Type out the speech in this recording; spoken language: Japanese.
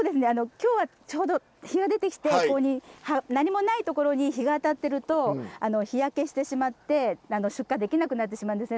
今日はちょうど日が出てきてここに何もないところに日が当たってると日焼けしてしまって出荷できなくなってしまうんですね。